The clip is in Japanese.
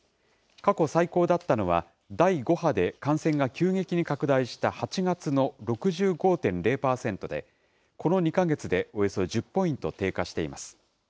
過去最高だったのは、第５波で、感染が急激に拡大した８月の６５．０％で、この２か月でおよそ１０ポイント低下しています。